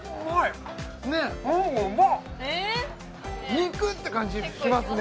肉！って感じしますね